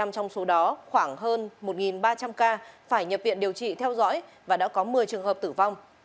bảy mươi trong số đó khoảng hơn một ba trăm linh ca phải nhập viện điều trị theo dõi và đã có một mươi trường hợp tử vong